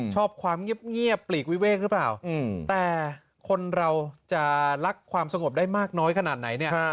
ชอบความเงียบปลีกวิเวกหรือเปล่าแต่คนเราจะรักความสงบได้มากน้อยขนาดไหนเนี่ย